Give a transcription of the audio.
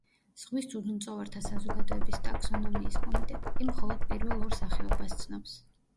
ზღვის ძუძუმწოვართა საზოგადოების ტაქსონომიის კომიტეტი კი მხოლოდ პირველ ორ სახეობას ცნობს.